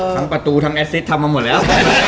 ทั้งประตูทั้งอสฤทธิ์ทำมาหมดแล้ว